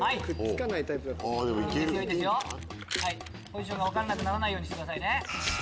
ポジションが分からなくならないようにしてくださいね。